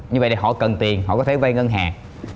như vậy thì họ cần tiền họ có thể vây ngân hàng